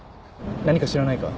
何か知らないか？